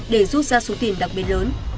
để rút ra số tiền đặc biệt lớn